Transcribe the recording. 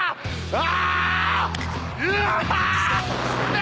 あ！